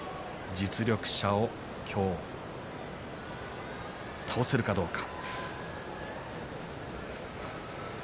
実力者を今日、倒せるかどうか。